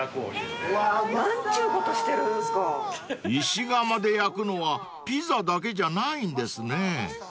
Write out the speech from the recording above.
［石窯で焼くのはピザだけじゃないんですね］